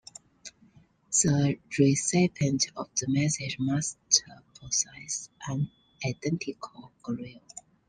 The recipient of the message must possess an identical grille.